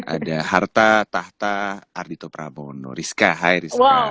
ada harta tahta ardhito prabowo no rizka hai rizka